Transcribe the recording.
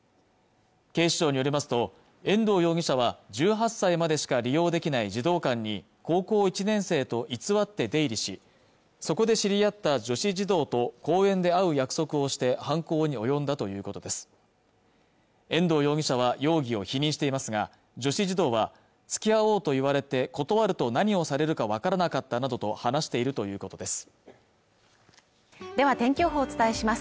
警視庁によりますと遠藤容疑者は１８歳までしか利用できない児童館に高校１年生と偽って出入りしそこで知り合った女子児童と公園で会う約束をして犯行に及んだということです遠藤容疑者は容疑を否認していますが女子児童は付き合おうと言われて断ると何をされるかわからなかったなどと話しているということですでは天気予報お伝えします